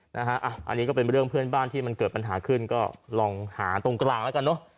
อันนี้ก็เป็นเรื่องเพื่อนบ้านที่มันเกิดปัญหาขึ้นก็ลองหาตรงกลางแล้วกันเนอะ